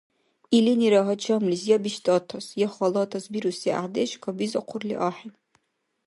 Илинира гьачамлис я биштӀатас, я халатас бируси гӀяхӀдеш кабизахъурли ахӀен.